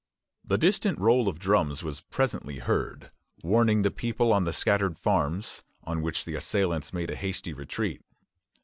The distant roll of drums was presently heard, warning the people on the scattered farms; on which the assailants made a hasty retreat.